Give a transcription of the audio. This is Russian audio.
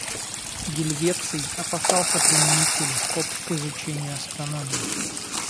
Гельвеций опасался применить телескоп к изучению астрономии.